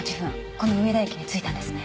この上田駅に着いたんですね。